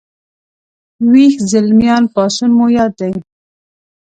ويښ زلميان پاڅون مو یاد دی